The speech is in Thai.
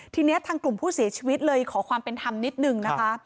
ทีนี้ทางกลุ่มผู้เสียชีวิตเลยขอความเป็นธรรมนิดนึงนะคะ